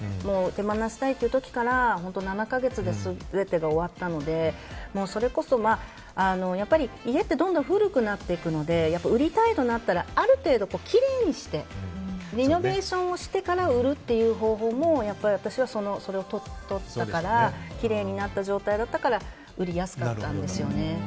手放したいという時から７か月で全てが終わったのでそれこそ、家ってどんどん古くなっていくので売りたいとなったらある程度きれいにしてリノベーションをしてから売るという方法も私はそれをとったからきれいになった状態だったから売りやすかったんですよね。